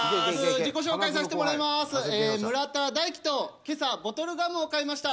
自己紹介させてもらいます村田大樹と今朝ボトルガムを買いました